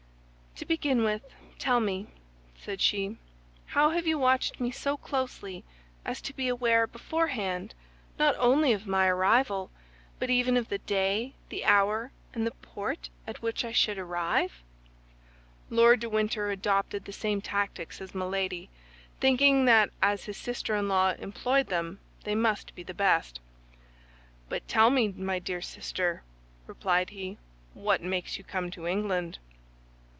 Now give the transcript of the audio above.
"To begin with, tell me," said she, "how have you watched me so closely as to be aware beforehand not only of my arrival, but even of the day, the hour, and the port at which I should arrive?" Lord de Winter adopted the same tactics as Milady, thinking that as his sister in law employed them they must be the best. "But tell me, my dear sister," replied he, "what makes you come to England?"